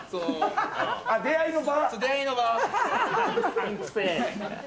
出会いの場。